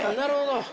なるほど。